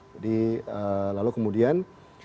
jadi lalu kemudian